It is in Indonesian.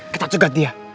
kita cegat dia